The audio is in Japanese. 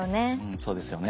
そうですよね